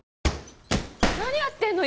何やってんの？